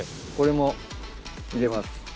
これも入れます。